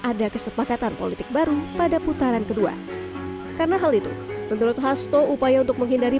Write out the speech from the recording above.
ada kesepakatan politik baru pada putaran kedua karena hal itu menurut hasto upaya untuk menghindari